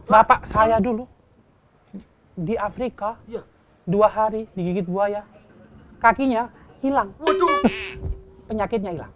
bapak saya dulu di afrika dua hari digigit buaya kakinya hilang penyakitnya hilang